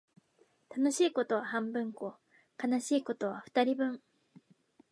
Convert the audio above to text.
楽しいことは半分こ、悲しいことは二人分